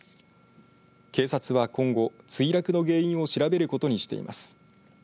警察は今後墜落の原因を調べることにしています。